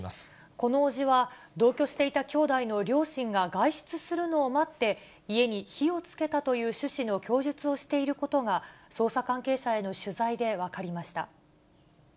この伯父は、同居していた兄弟の両親が外出するのを待って、家に火をつけたという趣旨の供述をしていることが、捜査関係者への取材で分かりました。